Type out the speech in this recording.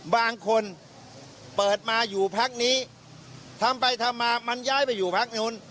มันอยู่พักนี้ทำไปทำมามันย้ายไปอยู่พักนู้น